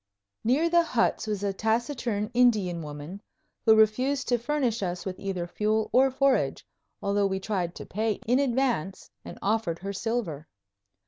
Near the huts was a taciturn Indian woman, who refused to furnish us with either fuel or forage, although we tried to pay in advance and offered her silver.